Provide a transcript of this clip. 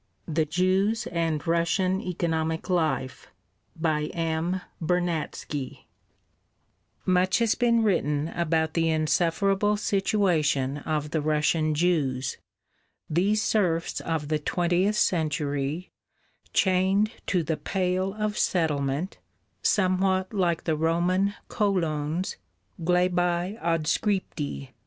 _ THE JEWS AND RUSSIAN ECONOMIC LIFE BY M. BERNATZKY Much has been written about the insufferable situation of the Russian Jews, these serfs of the twentieth century, chained to "the Pale of Settlement," somewhat like the Roman colons, "glebae adscripti."